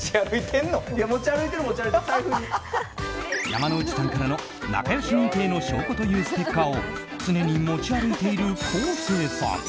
山之内さんからの仲良し認定の証拠というステッカーを常に持ち歩いている昴生さん。